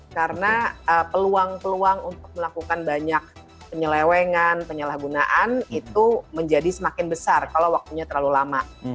karena peluang peluang untuk melakukan banyak penyelewengan penyalahgunaan itu menjadi semakin besar kalau waktunya terlalu lama